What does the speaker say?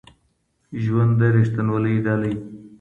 ژوند د ریښتینولۍ ډالۍ